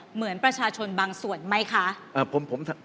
เหมือนประชาชนบางส่วนไหมคะ